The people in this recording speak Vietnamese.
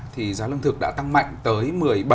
thì giá lương thực đã tăng mạnh tới một mươi bảy